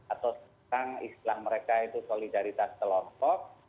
atau sekarang istilah mereka itu solidaritas kelompok